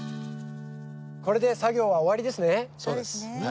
これで作業は終わりですね？